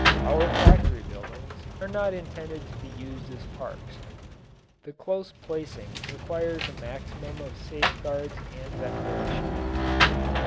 Our factory buildings are not intended to be used as parks. The close placing requires a maximum of safeguards and ventilation.